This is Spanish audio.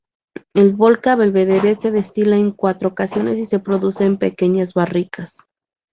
El vodka Belvedere se destila en cuatro ocasiones y se produce en pequeñas barricas.